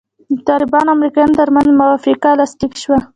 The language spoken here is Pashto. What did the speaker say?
د طالبانو او امریکایانو ترمنځ موافقه لاسلیک سوه.